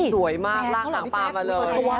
สวยมากลากหางปลามาเลย